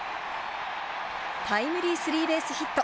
タイムリースリーベースヒット。